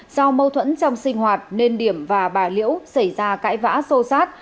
do mâu thuẫn trong sinh hoạt nên điểm và bà liễu xảy ra cãi vã sô sát